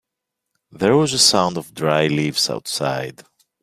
There was a sound of dry leaves outside.